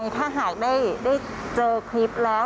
ถ้าหากได้เจอคลิปแล้ว